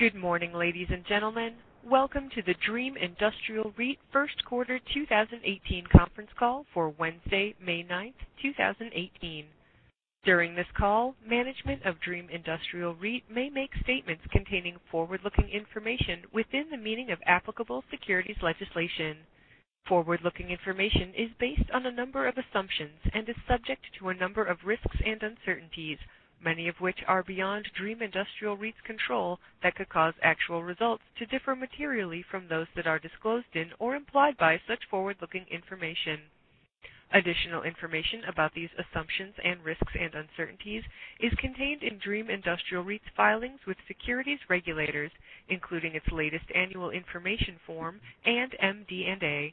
Good morning, ladies and gentlemen. Welcome to the Dream Industrial REIT first quarter 2018 conference call for Wednesday, May 9th, 2018. During this call, management of Dream Industrial REIT may make statements containing forward-looking information within the meaning of applicable securities legislation. Forward-looking information is based on a number of assumptions and is subject to a number of risks and uncertainties, many of which are beyond Dream Industrial REIT's control, that could cause actual results to differ materially from those that are disclosed in or implied by such forward-looking information. Additional information about these assumptions and risks and uncertainties is contained in Dream Industrial REIT's filings with securities regulators, including its latest annual information form and MD&A.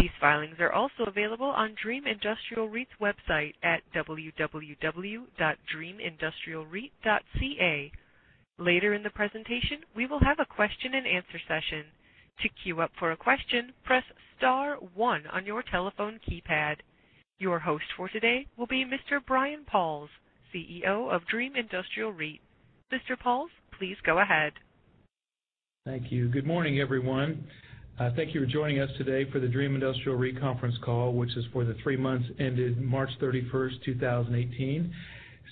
These filings are also available on Dream Industrial REIT's website at www.dreamindustrialreit.ca. Later in the presentation, we will have a question and answer session. To queue up for a question, press *1 on your telephone keypad. Your host for today will be Mr. Brian Pauls, CEO of Dream Industrial REIT. Mr. Pauls, please go ahead. Thank you. Good morning, everyone. Thank you for joining us today for the Dream Industrial REIT conference call, which is for the three months ended March 31st, 2018.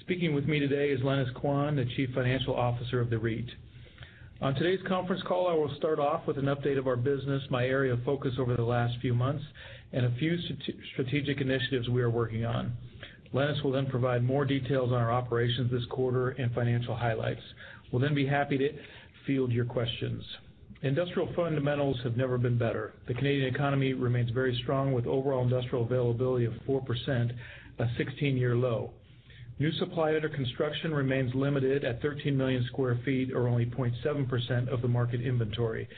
Speaking with me today is Lenis Quan, the Chief Financial Officer of the REIT. On today's conference call, I will start off with an update of our business, my area of focus over the last few months, and a few strategic initiatives we are working on. Lenis will then provide more details on our operations this quarter and financial highlights. We'll then be happy to field your questions. Industrial fundamentals have never been better. The Canadian economy remains very strong, with overall industrial availability of 4%, a 16-year low. New supply under construction remains limited at 13 million sq ft, or only 0.7% of the market inventory.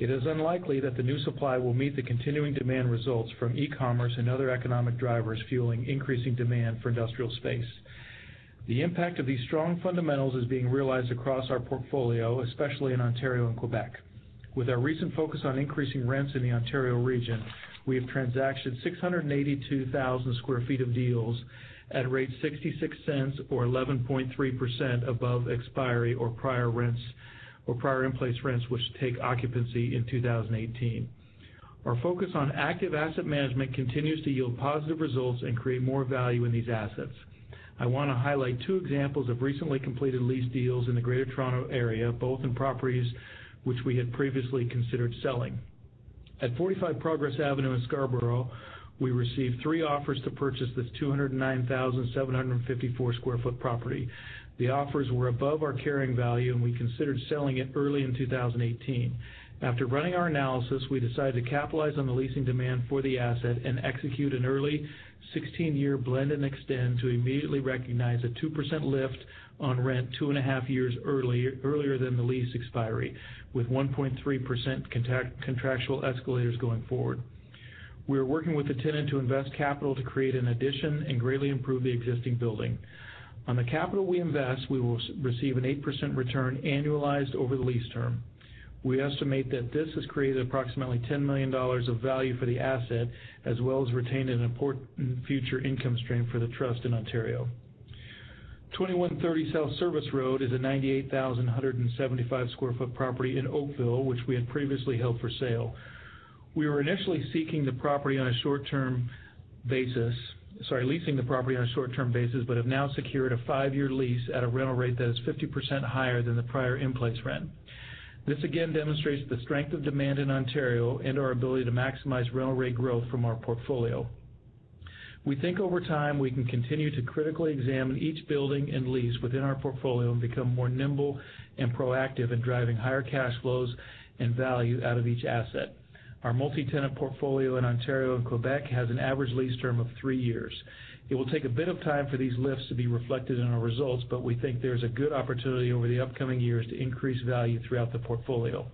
It is unlikely that the new supply will meet the continuing demand results from e-commerce and other economic drivers fueling increasing demand for industrial space. The impact of these strong fundamentals is being realized across our portfolio, especially in Ontario and Quebec. With our recent focus on increasing rents in the Ontario region, we have transacted 682,000 sq ft of deals at a rate 0.66 or 11.3% above expiry or prior in-place rents, which take occupancy in 2018. Our focus on active asset management continues to yield positive results and create more value in these assets. I want to highlight two examples of recently completed lease deals in the Greater Toronto Area, both in properties which we had previously considered selling. At 45 Progress Avenue in Scarborough, we received three offers to purchase this 209,754 sq ft property. The offers were above our carrying value. We considered selling it early in 2018. After running our analysis, we decided to capitalize on the leasing demand for the asset and execute an early 16-year blend and extend to immediately recognize a 2% lift on rent two and a half years earlier than the lease expiry, with 1.3% contractual escalators going forward. We are working with the tenant to invest capital to create an addition and greatly improve the existing building. On the capital we invest, we will receive an 8% return annualized over the lease term. We estimate that this has created approximately 10 million dollars of value for the asset, as well as retained an important future income stream for the trust in Ontario. 2130 South Service Road is a 98,175 sq ft property in Oakville, which we had previously held for sale. We were initially leasing the property on a short-term basis. We have now secured a five-year lease at a rental rate that is 50% higher than the prior in-place rent. This again demonstrates the strength of demand in Ontario and our ability to maximize rental rate growth from our portfolio. We think over time, we can continue to critically examine each building and lease within our portfolio and become more nimble and proactive in driving higher cash flows and value out of each asset. Our multi-tenant portfolio in Ontario and Quebec has an average lease term of three years. We think there's a good opportunity over the upcoming years to increase value throughout the portfolio.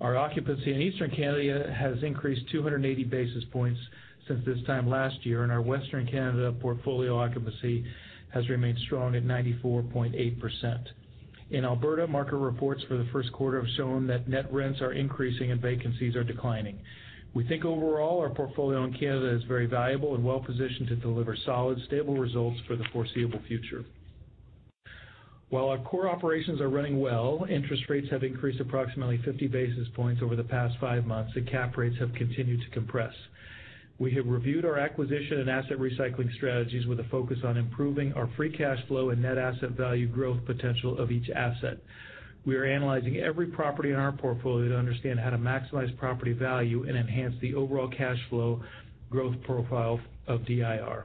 Our occupancy in Eastern Canada has increased 280 basis points since this time last year, and our Western Canada portfolio occupancy has remained strong at 94.8%. In Alberta, market reports for the first quarter have shown that net rents are increasing and vacancies are declining. We think overall, our portfolio in Canada is very valuable and well-positioned to deliver solid, stable results for the foreseeable future. While our core operations are running well, interest rates have increased approximately 50 basis points over the past five months. Cap rates have continued to compress. We have reviewed our acquisition and asset recycling strategies with a focus on improving our free cash flow and net asset value growth potential of each asset. We are analyzing every property in our portfolio to understand how to maximize property value and enhance the overall cash flow growth profile of DIR.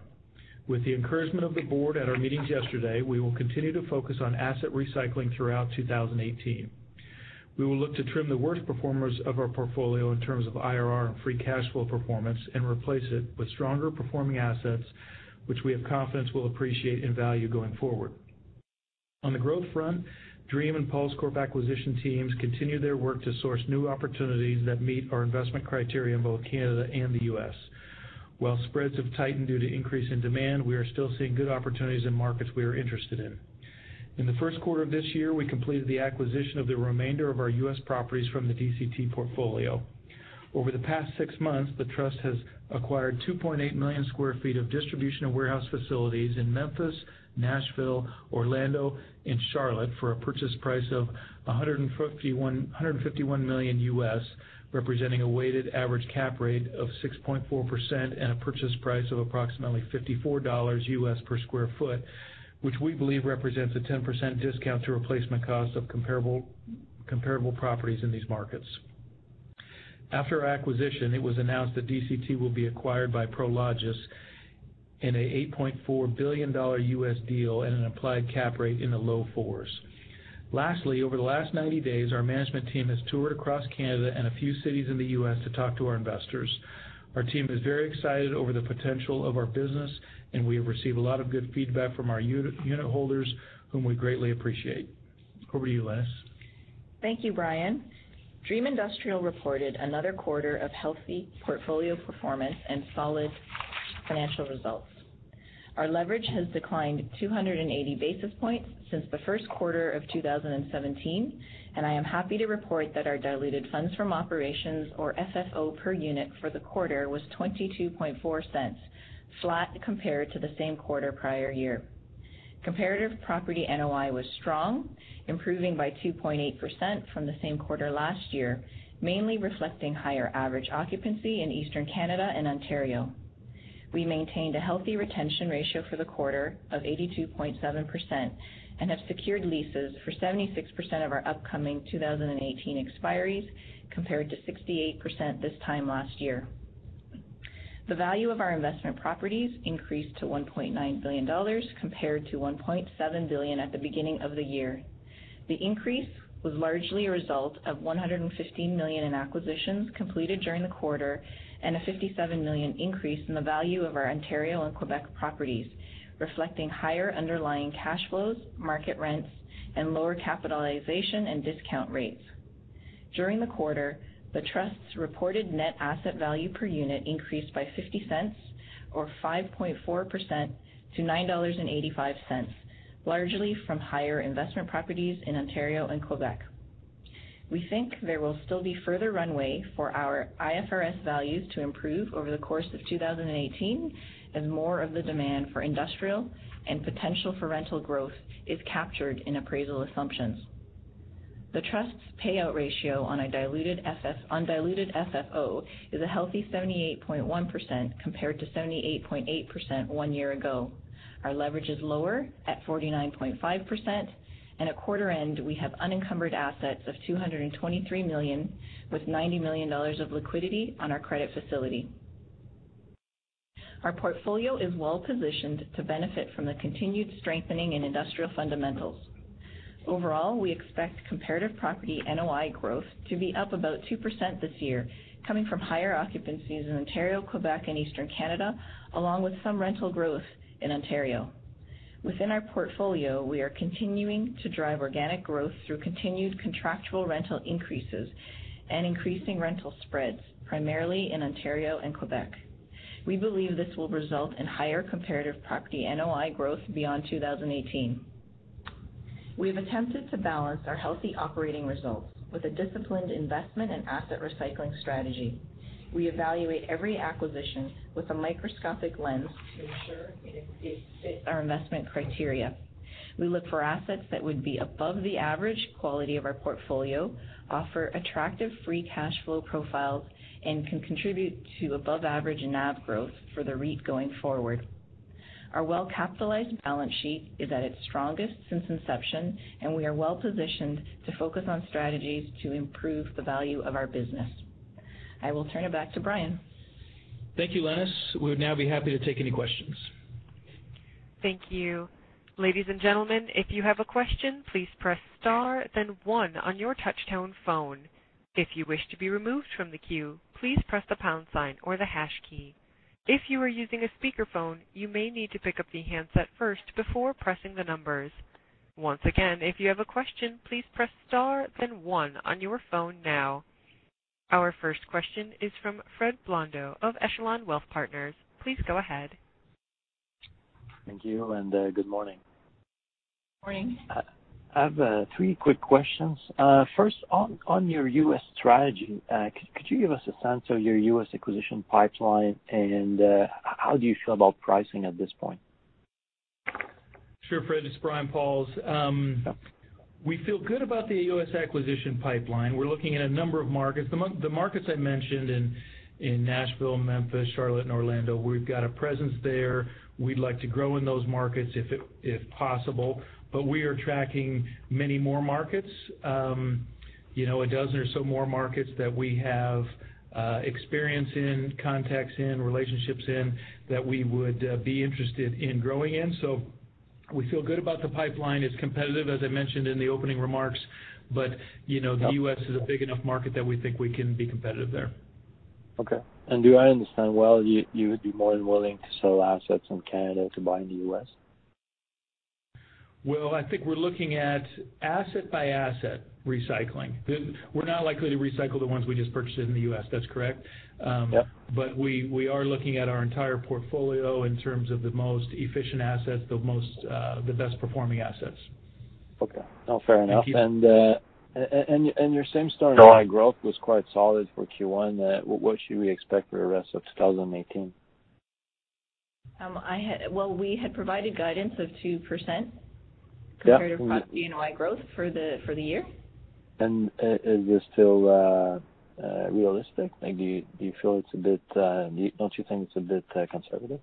With the encouragement of the board at our meetings yesterday, we will continue to focus on asset recycling throughout 2018. We will look to trim the worst performers of our portfolio in terms of IRR and free cash flow performance and replace it with stronger performing assets, which we have confidence will appreciate in value going forward. On the growth front, Dream and Pauls Corp. acquisition teams continue their work to source new opportunities that meet our investment criteria in both Canada and the U.S. While spreads have tightened due to increase in demand, we are still seeing good opportunities in markets we are interested in. In the first quarter of this year, we completed the acquisition of the remainder of our U.S. properties from the DCT portfolio. Over the past six months, the trust has acquired 2.8 million sq ft of distribution and warehouse facilities in Memphis, Nashville, Orlando, and Charlotte for a purchase price of $151 million U.S., representing a weighted average cap rate of 6.4% and a purchase price of approximately $54 U.S. per sq ft, which we believe represents a 10% discount to replacement cost of comparable properties in these markets. After acquisition, it was announced that DCT will be acquired by Prologis in an $8.4 billion U.S. deal at an implied cap rate in the low fours. Lastly, over the last 90 days, our management team has toured across Canada and a few cities in the U.S. to talk to our investors. Our team is very excited over the potential of our business, and we have received a lot of good feedback from our unitholders, whom we greatly appreciate. Over to you, Lenis. Thank you, Brian. Dream Industrial reported another quarter of healthy portfolio performance and solid financial results. Our leverage has declined 280 basis points since the first quarter of 2017, and I am happy to report that our diluted funds from operations, or FFO, per unit for the quarter was 0.224, flat compared to the same quarter prior year. Comparative property NOI was strong, improving by 2.8% from the same quarter last year, mainly reflecting higher average occupancy in Eastern Canada and Ontario. We maintained a healthy retention ratio for the quarter of 82.7% and have secured leases for 76% of our upcoming 2018 expiries, compared to 68% this time last year. The value of our investment properties increased to 1.9 billion dollars, compared to 1.7 billion at the beginning of the year. The increase was largely a result of 115 million in acquisitions completed during the quarter and a 57 million increase in the value of our Ontario and Quebec properties, reflecting higher underlying cash flows, market rents, and lower capitalization and discount rates. During the quarter, the trust's reported net asset value per unit increased by 0.50, or 5.4%, to 9.85 dollars, largely from higher investment properties in Ontario and Quebec. We think there will still be further runway for our IFRS values to improve over the course of 2018 as more of the demand for industrial and potential for rental growth is captured in appraisal assumptions. The trust's payout ratio on undiluted FFO is a healthy 78.1%, compared to 78.8% one year ago. Our leverage is lower at 49.5%, and at quarter end, we have unencumbered assets of 223 million, with 90 million dollars of liquidity on our credit facility. Our portfolio is well-positioned to benefit from the continued strengthening in industrial fundamentals. Overall, we expect comparative property NOI growth to be up about 2% this year, coming from higher occupancies in Ontario, Quebec, and Eastern Canada, along with some rental growth in Ontario. Within our portfolio, we are continuing to drive organic growth through continued contractual rental increases and increasing rental spreads, primarily in Ontario and Quebec. We believe this will result in higher comparative property NOI growth beyond 2018. We have attempted to balance our healthy operating results with a disciplined investment and asset recycling strategy. We evaluate every acquisition with a microscopic lens to ensure it fits our investment criteria. We look for assets that would be above the average quality of our portfolio, offer attractive free cash flow profiles, and can contribute to above-average NAV growth for the REIT going forward. Our well-capitalized balance sheet is at its strongest since inception, and we are well-positioned to focus on strategies to improve the value of our business. I will turn it back to Brian. Thank you, Lenis. We would now be happy to take any questions. Thank you. Ladies and gentlemen, if you have a question, please press star then one on your touch-tone phone. If you wish to be removed from the queue, please press the pound sign or the hash key. If you are using a speakerphone, you may need to pick up the handset first before pressing the numbers. Once again, if you have a question, please press star then one on your phone now. Our first question is from Frederic Blondeau of Echelon Wealth Partners. Please go ahead. Thank you, good morning. Morning. I have three quick questions. First, on your U.S. strategy, could you give us a sense of your U.S. acquisition pipeline, and how do you feel about pricing at this point? Sure, Fred. It's Brian Pauls. We feel good about the U.S. acquisition pipeline. We're looking at a number of markets. The markets I mentioned in Nashville, Memphis, Charlotte, and Orlando, we've got a presence there. We'd like to grow in those markets if possible. We are tracking many more markets, a dozen or so more markets that we have experience in, contacts in, relationships in, that we would be interested in growing in. We feel good about the pipeline. It's competitive, as I mentioned in the opening remarks, but the U.S. is a big enough market that we think we can be competitive there. Okay. Do I understand well, you would be more than willing to sell assets in Canada to buy in the U.S.? Well, I think we're looking at asset-by-asset recycling. We're not likely to recycle the ones we just purchased in the U.S., that's correct. Yep. We are looking at our entire portfolio in terms of the most efficient assets, the best-performing assets. Okay. Fair enough. Thank you. Your same-store NOI growth was quite solid for Q1. What should we expect for the rest of 2018? Well, we had provided guidance of 2%- Yeah comparative NOI growth for the year. Is this still realistic? Don't you think it's a bit conservative?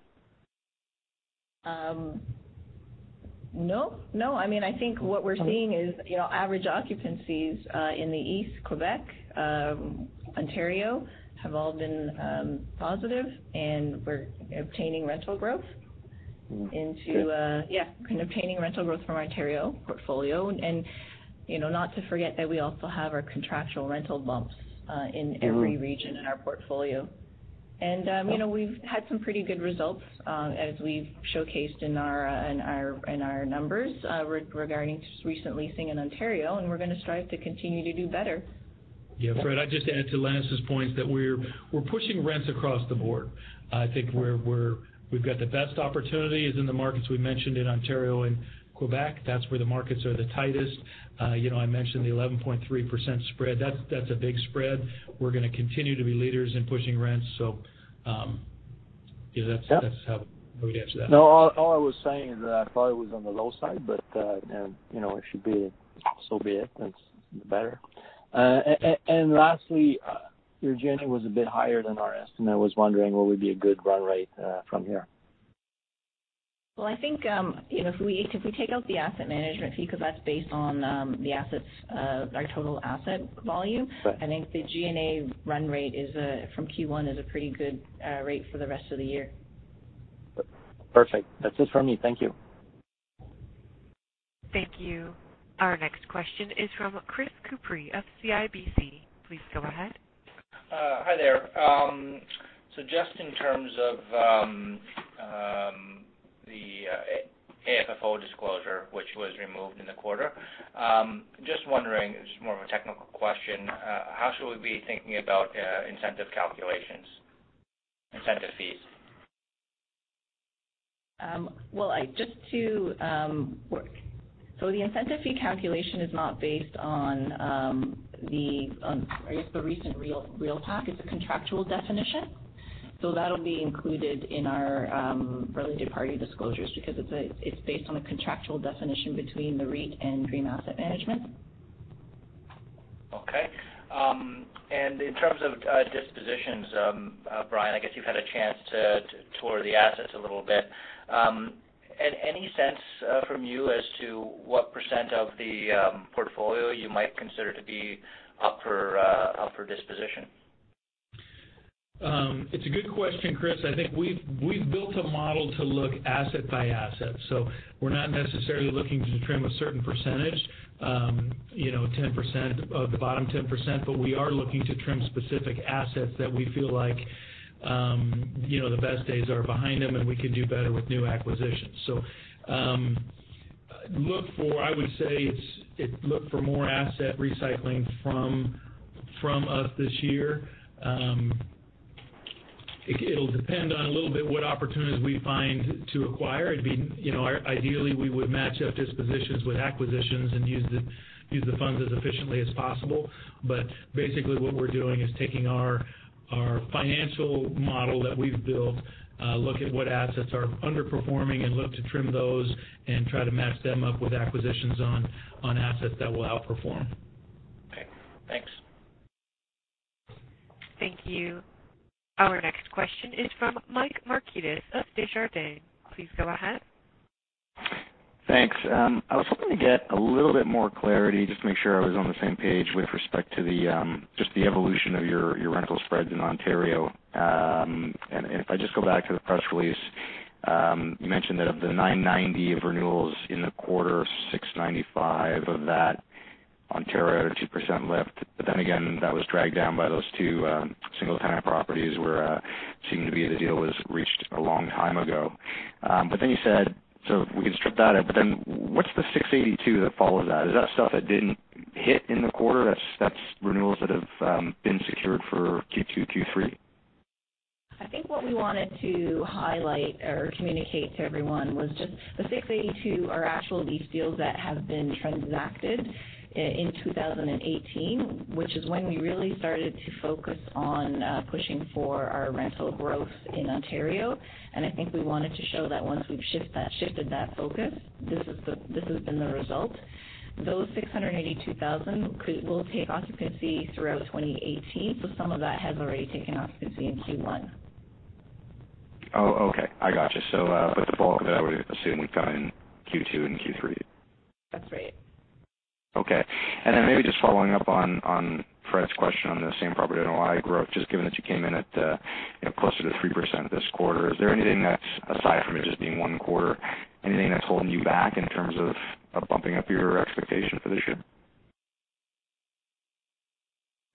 No. I think what we're seeing is average occupancies in the East Quebec, Ontario, have all been positive, and we're obtaining rental growth. Good. Yeah. Kind of obtaining rental growth from our Ontario portfolio. Not to forget that we also have our contractual rental bumps in every region in our portfolio. We've had some pretty good results, as we've showcased in our numbers regarding recent leasing in Ontario, and we're going to strive to continue to do better. Yeah. Fred, I'd just add to Lenis's points that we're pushing rents across the board. I think we've got the best opportunities in the markets we mentioned in Ontario and Quebec. That's where the markets are the tightest. I mentioned the 11.3% spread. That's a big spread. We're going to continue to be leaders in pushing rents, that's how we would answer that. No, all I was saying is that I thought it was on the low side, but if it should be, so be it. That's the better. Lastly, your G&A was a bit higher than our estimate. I was wondering what would be a good run rate from here. Well, I think if we take out the asset management fee, because that's based on our total asset volume. Sure I think the G&A run rate from Q1 is a pretty good rate for the rest of the year. Perfect. That's it from me. Thank you. Thank you. Our next question is from Chris Couprie of CIBC. Please go ahead. Hi there. Just in terms of the AFFO disclosure, which was removed in the quarter, just wondering, this is more of a technical question. How should we be thinking about incentive calculations, incentive fees? The incentive fee calculation is not based on the, I guess, the recent REALPAC. It's a contractual definition, so that'll be included in our related party disclosures because it's based on a contractual definition between the REIT and Dream Asset Management. Okay. In terms of dispositions, Brian, I guess you've had a chance to tour the assets a little bit. Any sense from you as to what % of the portfolio you might consider to be up for disposition? It's a good question, Chris. I think we've built a model to look asset by asset. We're not necessarily looking to trim a certain %, the bottom 10%, but we are looking to trim specific assets that we feel like the best days are behind them, and we can do better with new acquisitions. Look for, I would say, look for more asset recycling from us this year. It'll depend on a little bit what opportunities we find to acquire. Ideally, we would match up dispositions with acquisitions and use the funds as efficiently as possible. Basically, what we're doing is taking our financial model that we've built, look at what assets are underperforming and look to trim those and try to match them up with acquisitions on assets that will outperform. Okay. Thanks. Thank you. Our next question is from Michael Markidis of Desjardins. Please go ahead. Thanks. I was hoping to get a little bit more clarity just to make sure I was on the same page with respect to just the evolution of your rental spreads in Ontario. If I just go back to the press release, you mentioned that of the 990 of renewals in the quarter, 695 of that Ontario at a 2% lift. Again, that was dragged down by those two single-tenant properties where it seemed to be the deal was reached a long time ago. If we could strip that out, but then what's the 682 that follows that? Is that stuff that didn't hit in the quarter, that's renewals that have been secured for Q2, Q3? I think what we wanted to highlight or communicate to everyone was just the 682 are actual lease deals that have been transacted in 2018, which is when we really started to focus on pushing for our rental growth in Ontario. I think we wanted to show that once we've shifted that focus, this has been the result. Those 682,000 will take occupancy throughout 2018, so some of that has already taken occupancy in Q1. I got you. The default of that, we assume we've got in Q2 and Q3. That's right. Maybe just following up on Fred's question on the same-property NOI growth, just given that you came in at closer to 3% this quarter, is there anything that's, aside from it just being one quarter, anything that's holding you back in terms of bumping up your expectation for this year?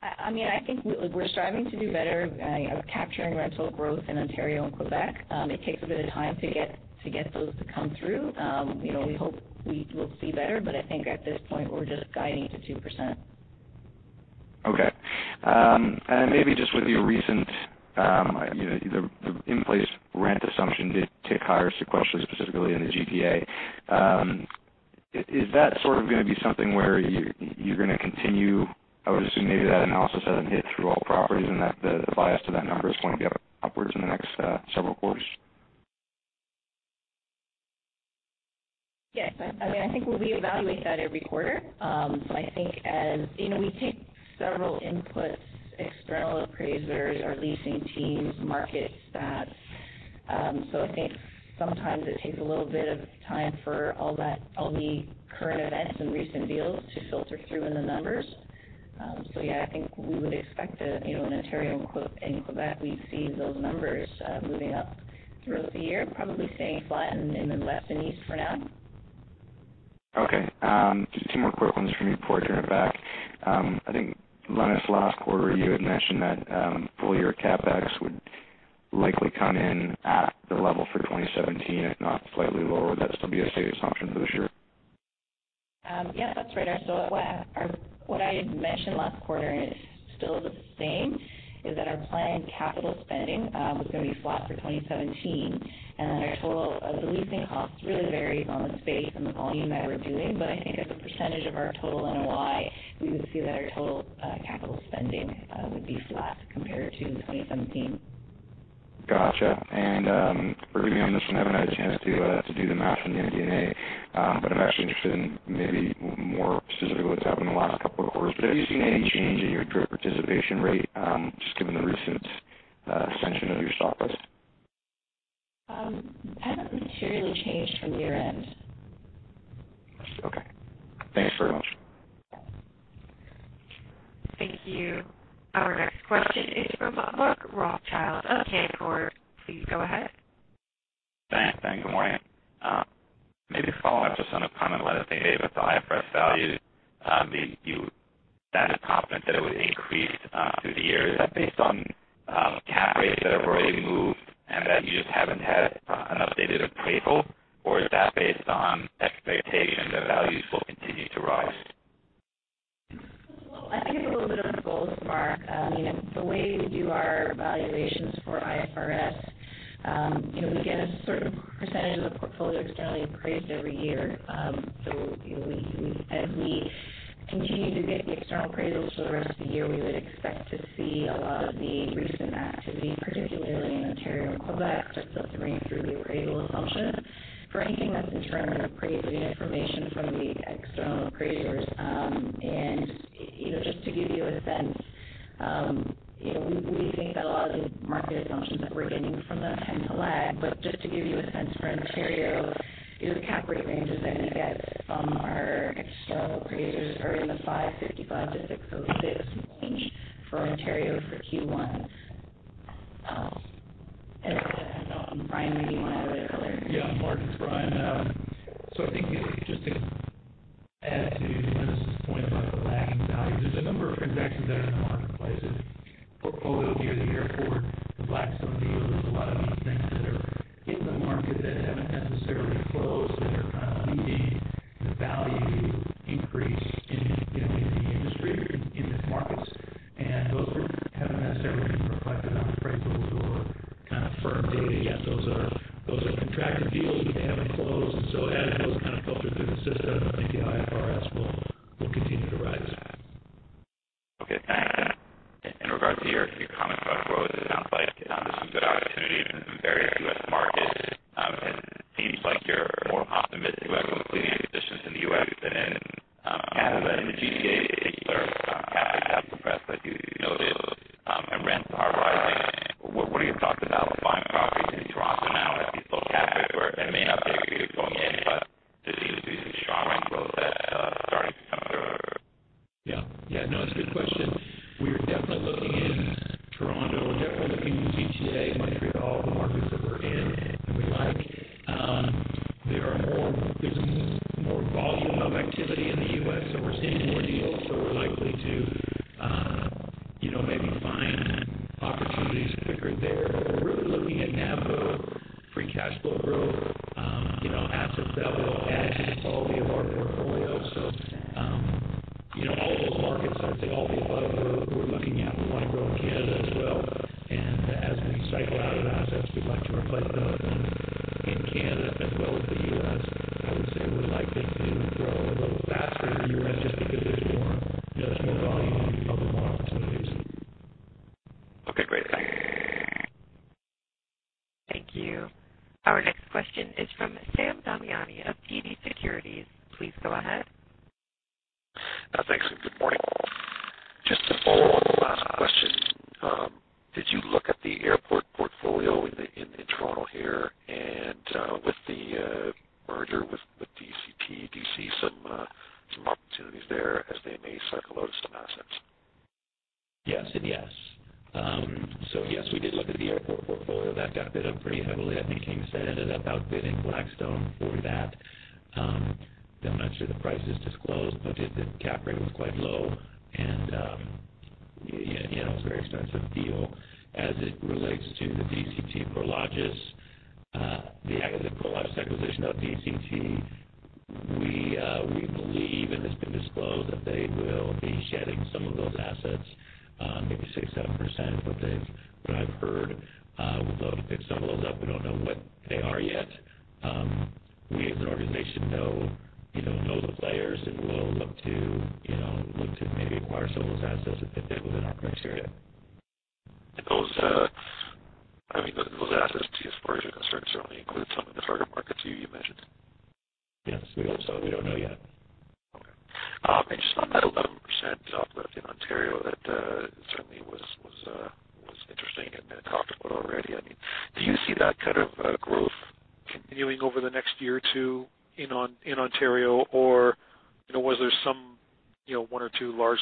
I think we're striving to do better at capturing rental growth in Ontario and Quebec. It takes a bit of time to get those to come through. We hope we will see better, but I think at this point, we're just guiding to 2%. Okay. Maybe just with your recent in-place rent assumption did tick higher sequentially, specifically in the GTA. Is that going to be something where you're going to continue? I would assume maybe that analysis hasn't hit through all properties and that the bias to that number is going to be upwards in the next several quarters. Yes. I think we evaluate that every quarter. We take several inputs, external appraisers, our leasing teams, market stats. I think sometimes it takes a little bit of time for all the current events and recent deals to filter through in the numbers. Yes, I think we would expect in Ontario and Quebec, we see those numbers moving up throughout the year, probably staying flat in the West and East for now. Okay. Just two more quick ones from me before I turn it back. I think, Lenis, last quarter, you had mentioned that full-year CapEx would likely come in at the level for 2017, if not slightly lower. Would that still be a safe assumption for this year? Yes, that's right. What I had mentioned last quarter, and it's still the same, is that our planned capital spending was going to be flat for 2017, and that our total leasing cost really varies on the space and the volume that we're doing. I think as a percentage of our total NOI, we would see that our total capital spending would be flat compared to 2017. Got you. Briefly on this one, I haven't had a chance to do the math on the MD&A but I'm actually interested in maybe more specifically what's happened in the last couple of quarters. Have you seen any change in your DRIP participation rate, just given the recent ascension of your stock price? Haven't materially changed from year-end. Okay. Thanks very much. Thank you. Our next question is from Mark Rothschild of Canaccord. Please go ahead. Thanks. Good morning. Maybe follow up just on a comment, Lenis, that you made with the IFRS values, being you sounded confident that it would increase through the year. Is that based on cap rates that have already moved and that you just haven't had an updated appraisal, or is that based on expectation that values will continue to rise? Well, I think a little bit of both, Mark. The way we do our valuations for IFRS, we get a certain percentage of the portfolio externally appraised every year. As we continue to get the external appraisals for the rest of the year, we would expect to see a lot of the recent activity, particularly in Ontario and Quebec, start to ring through the appraisal assumption. For anything that's internal, we're appraising information from the external appraisers. Just to give you a sense, we think that a lot of the market assumptions that we're getting from that tend to lag. Just to give you a sense for Ontario, the cap rate ranges that we get from our external appraisers are in the 555 to 600 basis range for Ontario for Q1. I don't know, Brian, maybe you want to add a bit earlier. Yes. Mark, it's Brian. I think just to add to Lenis' point about the lagging value, there's a number of transactions that are in the marketplace. There's Portfolio here, the Airport, the Blackstone deal. There's a lot of these things that are in the market Thanks, and good morning. Just to follow on Lenis' question, did you look at the airport portfolio in Toronto here, and with the merger with DCT, do you see some opportunities there as they may cycle out of some assets? Yes and yes Yes, we did look at the airport portfolio. That got bid up pretty heavily. I think KingSett ended up outbidding Blackstone for that. Though I'm not sure the price is disclosed, but the cap rate was quite low. Again, it was a very expensive deal. As it relates to the DCT Prologis. The Prologis acquisition of DCT, we believe, and it's been disclosed, that they will be shedding some of those assets, maybe 6%, 7% is what I've heard. We'll go pick some of those up. We don't know what they are yet. We as an organization know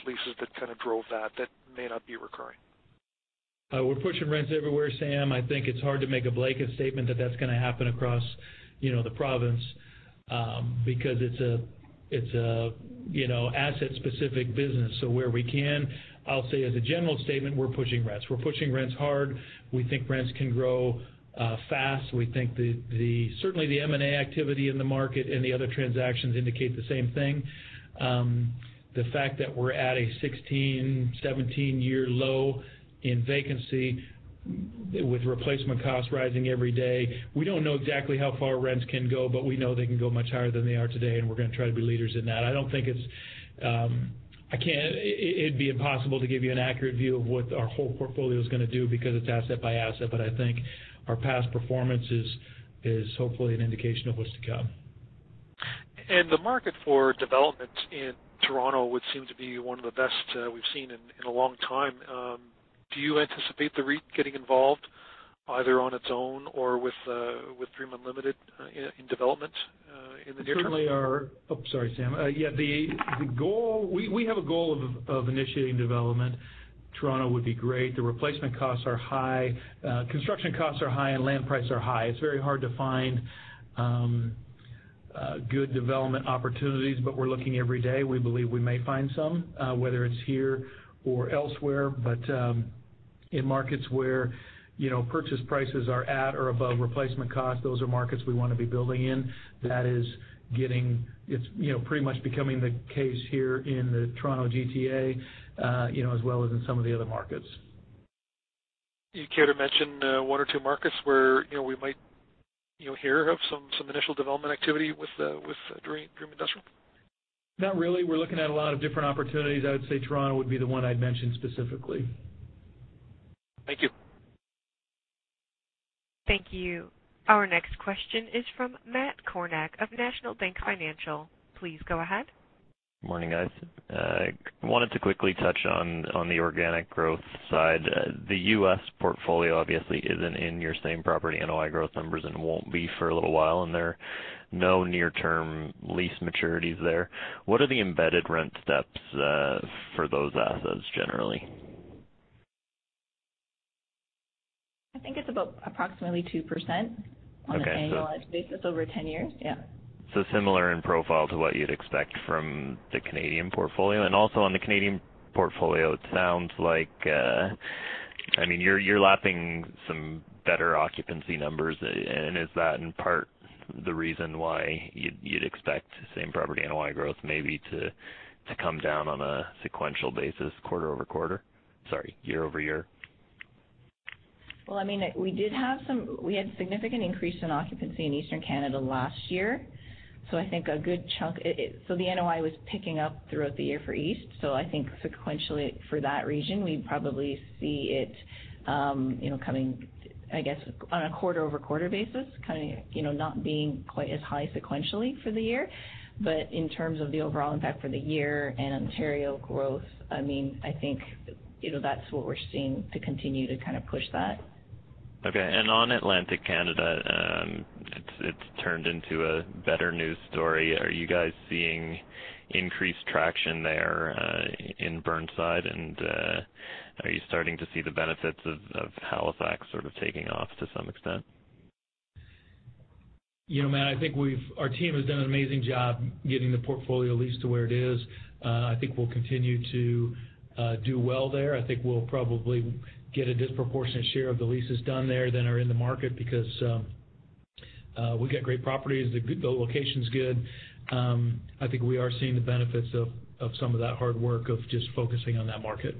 leases that kind of drove that may not be recurring? We're pushing rents everywhere, Sam. I think it's hard to make a blanket statement that that's going to happen across the province, because it's an asset-specific business. Where we can, I'll say as a general statement, we're pushing rents. We're pushing rents hard. We think rents can grow fast. We think certainly the M&A activity in the market and the other transactions indicate the same thing. The fact that we're at a 16, 17-year low in vacancy with replacement costs rising every day, we don't know exactly how far rents can go, but we know they can go much higher than they are today, and we're going to try to be leaders in that. It'd be impossible to give you an accurate view of what our whole portfolio is going to do, because it's asset by asset. I think our past performance is hopefully an indication of what's to come. The market for development in Toronto would seem to be one of the best we've seen in a long time. Do you anticipate the REIT getting involved either on its own or with Dream Unlimited in development in the near term? We certainly are. Oh, sorry, Sam. Yeah, we have a goal of initiating development. Toronto would be great. The replacement costs are high. Construction costs are high, and land price are high. It's very hard to find good development opportunities, but we're looking every day. We believe we may find some, whether it's here or elsewhere. But in markets where purchase prices are at or above replacement cost, those are markets we want to be building in. That is pretty much becoming the case here in the Toronto GTA, as well as in some of the other markets. You care to mention one or two markets where we might hear of some initial development activity with Dream Industrial? Not really. We're looking at a lot of different opportunities. I would say Toronto would be the one I'd mention specifically. Thank you. Thank you. Our next question is from Matt Kornack of National Bank Financial. Please go ahead. Morning, guys. I wanted to quickly touch on the organic growth side. The U.S. portfolio obviously isn't in your same property NOI growth numbers and won't be for a little while, and there are no near-term lease maturities there. What are the embedded rent steps for those assets generally? I think it's about approximately 2% on an annual basis over 10 years. Yeah. Similar in profile to what you'd expect from the Canadian portfolio. Also on the Canadian portfolio, it sounds like you're lapping some better occupancy numbers. Is that, in part, the reason why you'd expect same property NOI growth maybe to come down on a sequential basis quarter-over-quarter? Sorry, year-over-year. We had a significant increase in occupancy in Eastern Canada last year. The NOI was picking up throughout the year for East. I think sequentially for that region, we'd probably see it coming, I guess, on a quarter-over-quarter basis, not being quite as high sequentially for the year. In terms of the overall impact for the year and Ontario growth, I think that's what we're seeing to continue to kind of push that. Okay. On Atlantic Canada, it's turned into a better news story. Are you guys seeing increased traction there in Burnside? Are you starting to see the benefits of Halifax sort of taking off to some extent? Matt, I think our team has done an amazing job getting the portfolio leased to where it is. I think we'll continue to do well there. I think we'll probably get a disproportionate share of the leases done there than are in the market because we've got great properties. The location's good. I think we are seeing the benefits of some of that hard work of just focusing on that market.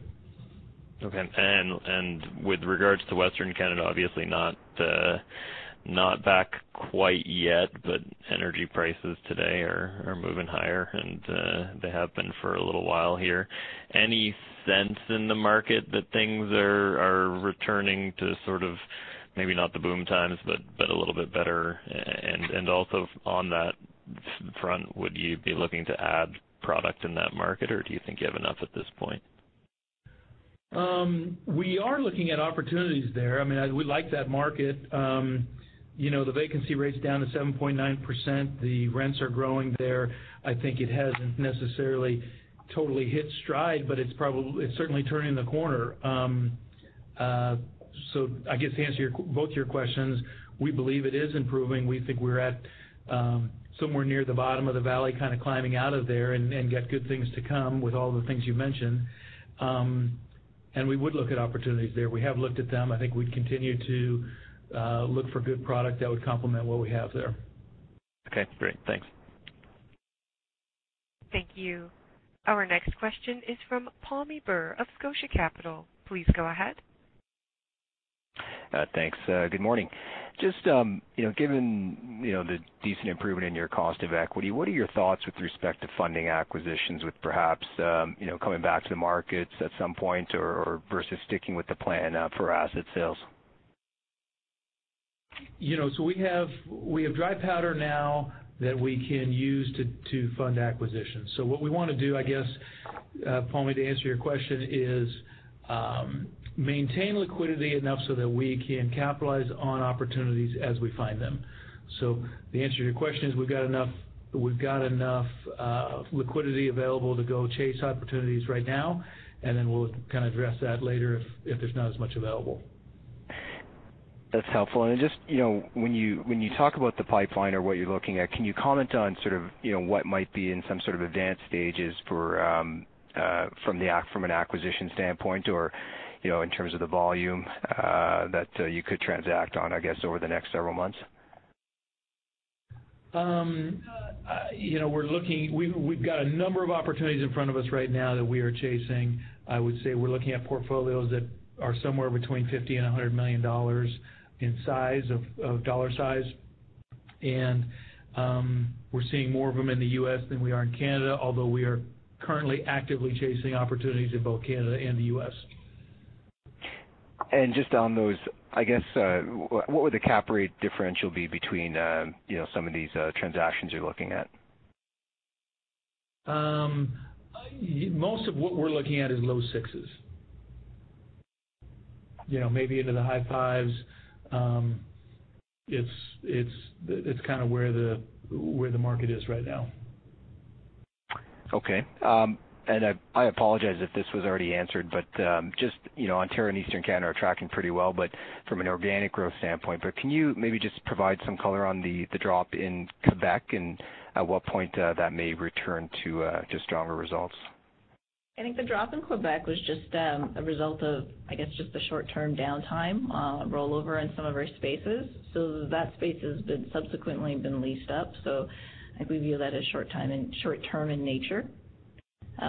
Okay. With regards to Western Canada, obviously not back quite yet, energy prices today are moving higher, and they have been for a little while here. Any sense in the market that things are returning to sort of, maybe not the boom times, but a little bit better? Also on that front, would you be looking to add product in that market, or do you think you have enough at this point? We are looking at opportunities there. We like that market. The vacancy rate's down to 7.9%. The rents are growing there. I think it hasn't necessarily totally hit stride, but it's certainly turning the corner. I guess to answer both your questions, we believe it is improving. We think we're at somewhere near the bottom of the valley, kind of climbing out of there, and got good things to come with all the things you mentioned. We would look at opportunities there. We have looked at them. I think we'd continue to look for good product that would complement what we have there. Okay, great. Thanks. Thank you. Our next question is from Pammi Bir of Scotia Capital. Please go ahead. Thanks. Good morning. Just given the decent improvement in your cost of equity, what are your thoughts with respect to funding acquisitions with perhaps coming back to the markets at some point or versus sticking with the plan for asset sales? We have dry powder now that we can use to fund acquisitions. What we want to do, I guess, Pammi, to answer your question, is maintain liquidity enough so that we can capitalize on opportunities as we find them. The answer to your question is, we've got enough liquidity available to go chase opportunities right now, and then we'll kind of address that later if there's not as much available. That's helpful. When you talk about the pipeline or what you're looking at, can you comment on what might be in some sort of advanced stages from an acquisition standpoint or in terms of the volume that you could transact on, I guess, over the next several months? We've got a number of opportunities in front of us right now that we are chasing. I would say we're looking at portfolios that are somewhere between 50 million-100 million dollars in dollar size. We're seeing more of them in the U.S. than we are in Canada, although we are currently actively chasing opportunities in both Canada and the U.S. Just on those, I guess, what would the cap rate differential be between some of these transactions you're looking at? Most of what we're looking at is low sixes. Maybe into the high fives. It's kind of where the market is right now. Okay. I apologize if this was already answered, but just Ontario and Eastern Canada are tracking pretty well, but from an organic growth standpoint. Can you maybe just provide some color on the drop in Quebec and at what point that may return to stronger results? I think the drop in Quebec was just a result of, I guess, just the short-term downtime rollover in some of our spaces. That space has been subsequently been leased up. I think we view that as short-term in nature.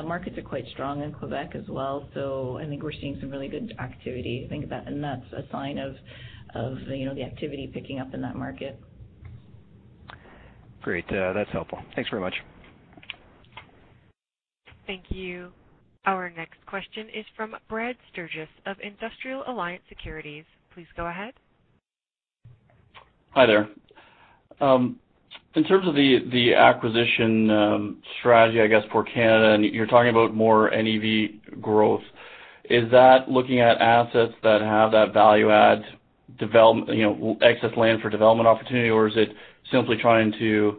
Markets are quite strong in Quebec as well, so I think we're seeing some really good activity, I think that, and that's a sign of the activity picking up in that market. Great. That's helpful. Thanks very much. Thank you. Our next question is from Brad Sturges of Industrial Alliance Securities. Please go ahead. Hi there. In terms of the acquisition strategy, I guess, for Canada, you're talking about more NAV growth, is that looking at assets that have that value add excess land for development opportunity, or is it simply trying to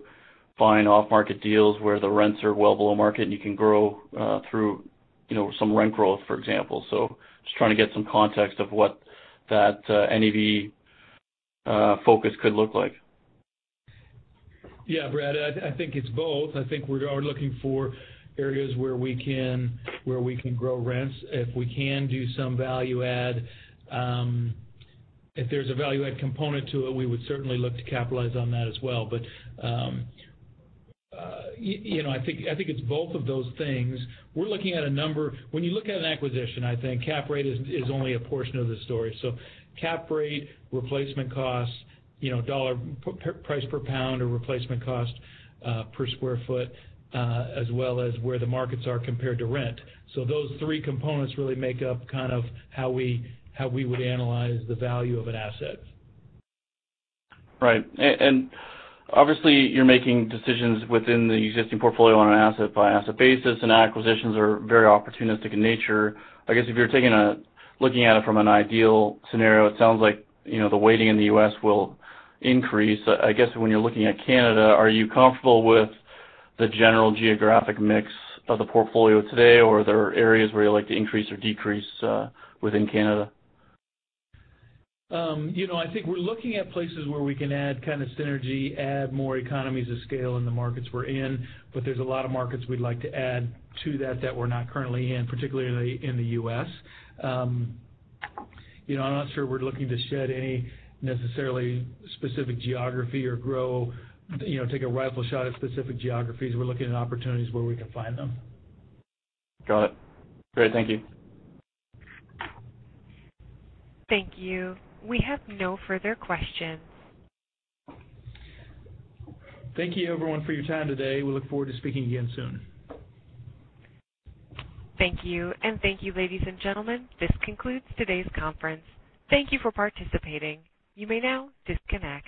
find off-market deals where the rents are well below market and you can grow through some rent growth, for example? Just trying to get some context of what that NAV focus could look like. Brad, I think it's both. I think we're looking for areas where we can grow rents. If we can do some value add, if there's a value add component to it, we would certainly look to capitalize on that as well. I think it's both of those things. When you look at an acquisition, I think cap rate is only a portion of the story. Cap rate, replacement costs, dollar price per square foot or replacement cost per square foot, as well as where the markets are compared to rent. Those three components really make up kind of how we would analyze the value of an asset. Right. Obviously, you're making decisions within the existing portfolio on an asset-by-asset basis, and acquisitions are very opportunistic in nature. I guess if you're looking at it from an ideal scenario, it sounds like the weighting in the U.S. will increase. I guess when you're looking at Canada, are you comfortable with the general geographic mix of the portfolio today, or are there areas where you'd like to increase or decrease within Canada? I think we're looking at places where we can add kind of synergy, add more economies of scale in the markets we're in. There's a lot of markets we'd like to add to that we're not currently in, particularly in the U.S. I'm not sure we're looking to shed any necessarily specific geography or take a rifle shot at specific geographies. We're looking at opportunities where we can find them. Got it. Great. Thank you. Thank you. We have no further questions. Thank you, everyone, for your time today. We look forward to speaking again soon. Thank you. Thank you, ladies and gentlemen. This concludes today's conference. Thank you for participating. You may now disconnect.